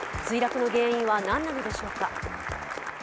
墜落の原因は何なのでしょうか。